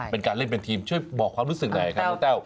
เป็นการเล่นเป็นทีมช่วยบอกความรู้สึกไหนครับเต้า